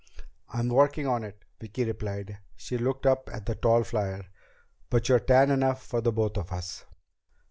"I'm working on it," Vicki replied. She looked up at the tall flier. "But you're tan enough for both of us."